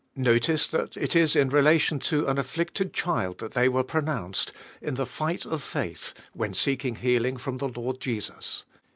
Notice that it ia in relation to an afflicted child that they were pro nounced, in the fight of faith when seek ing healing from the Lord Jesua.